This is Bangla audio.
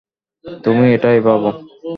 তুমি এটাই ভাবো।